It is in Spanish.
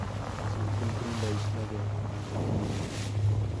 Se encuentra en la isla de Martinica.